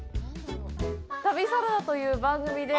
旅サラダという番組で。